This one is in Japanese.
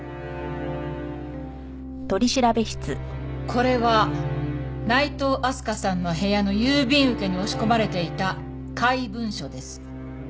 これは内藤明日香さんの部屋の郵便受けに押し込まれていた怪文書です。